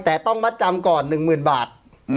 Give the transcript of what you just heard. แต่ต้องมัดจำก่อน๑๐๐๐บาท